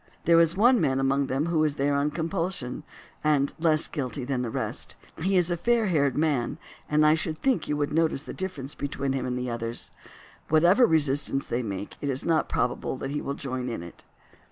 There is one man among them who is there on compulsion, and is less guilty than the rest. He is a fair haired man, and I should think you would notice the difference between him and the others. Whatever resistance they make it is not probable that he will join in it.